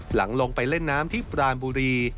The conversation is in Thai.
หลังลงไปเล่นน้ำที่ปรานบุรี